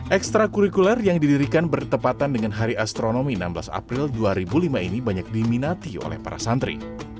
ekstra kurikuler yang didirikan bertepatan dengan hari astronomi enam belas april dua ribu lima ini banyak diminati oleh para santri